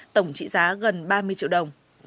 tổng trị giá gần ba mươi triệu đồng